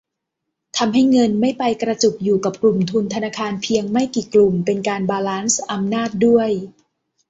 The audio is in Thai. ทำให้เงินไม่ไปกระจุกอยู่กับกลุ่มทุนธนาคารเพียงไม่กี่กลุ่ม เป็นการบาลานซ์อำนาจด้วย